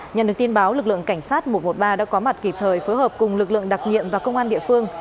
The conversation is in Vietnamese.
nhận được tin báo lực lượng cảnh sát một trăm một mươi ba đã có mặt kịp thời phối hợp cùng lực lượng đặc nhiệm và công an địa phương